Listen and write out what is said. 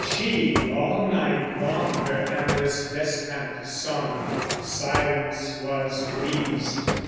She all night long her amorous descant sung: Silence was pleased.